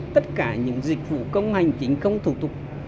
tất cả những dịch vụ công hành chính công thủ tục